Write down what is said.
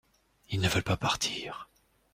Ils ne veulent pas partir.